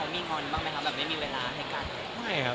ไม่ครับ